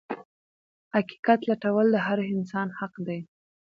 حقيقت لټول د هر انسان حق دی.